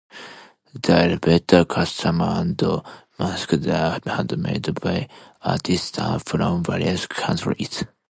The elaborate costumes and masks are handmade by artisans from various countries.